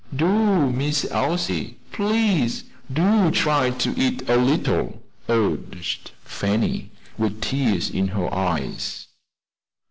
"Do, Miss Elsie, please do try to eat a little," urged Fanny, with tears in her eyes.